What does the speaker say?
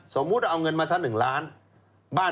สมมุติเอาเงินมาซะ๑ล้าน